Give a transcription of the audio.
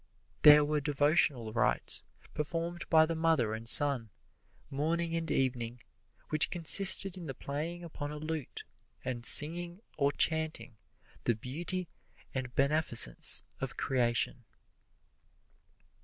There were devotional rites performed by the mother and son, morning and evening, which consisted in the playing upon a lute and singing or chanting the beauty and beneficence of creation.